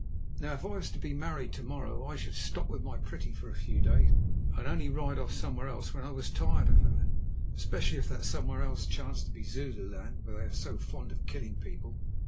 "Now, if I was to be married to morrow, I should stop with my pretty for a few days, and only ride off somewhere else when I was tired of her, especially if that somewhere else chanced to be Zululand, where they are so fond of killing people."